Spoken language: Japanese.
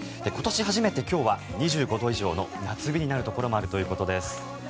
今年初めて今日は２５度以上の夏日になるところもあるということです。